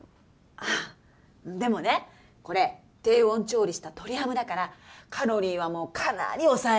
あっでもねこれ低温調理した鶏ハムだからカロリーはもうかなり抑えられて。